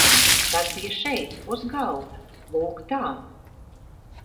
Tas bija šeit, uz galda, lūk tā!